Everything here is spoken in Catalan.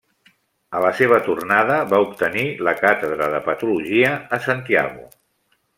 A la seva tornada va obtenir la càtedra de Patologia a Santiago.